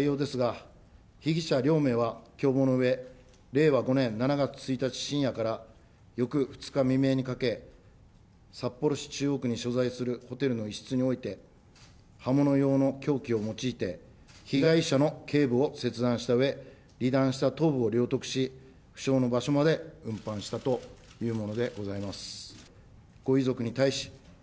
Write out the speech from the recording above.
逮捕事実の概要ですが、被疑者両名は共謀のうえ、令和５年７月１日深夜から翌２日未明にかけ、札幌市中央区に所在するホテルの一室において、刃物ようの凶器を用いて、被害者のけい部を切断したうえ、離断した頭部を領得し、ふしょうの場所まで運搬したというものでございます。